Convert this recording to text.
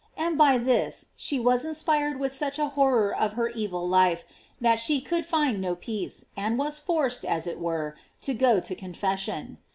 And by this she was inspired with such a horror of her evil life, that she could find no peace, and was forced, as it were, to go to con fession.